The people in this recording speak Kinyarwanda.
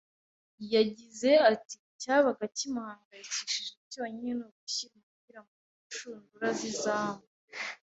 yagize ati:Icyabaga kimuhangayikishije cyonyine ni ugushyira umupira mu nshundura z'izamu